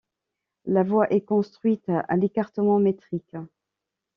La voie est construite à l'écartement métrique.